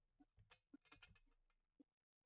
Wamatumbi walichukizwa na kitendo cha kufanyishwa kazi